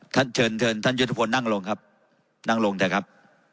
เชิญเชิญท่านยุทธพลนั่งลงครับนั่งลงเถอะครับ